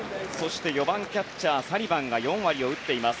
４番キャッチャー、サリバンは４割を打っています。